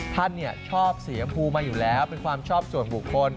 ท่านชอบสีชมพูมาอยู่แล้วเป็นความชอบส่วนบุคคล